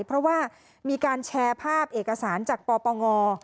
เพราะว่ามีการแชร์ภาพเอกสารจากปปง